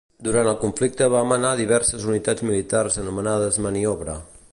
Durant el conflicte va manar diverses unitats militars anomenades "Maniobra".